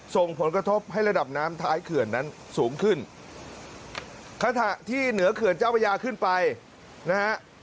ส่งผลกระทบให้ระดับน้ำท้ายเขื่อนนั้นสูงขึ้นขณะที่เหนือเขื่อนเจ้าพระยาขึ้นไปนะฮะ